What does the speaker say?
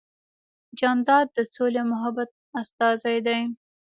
جانداد د سولې او محبت استازی دی.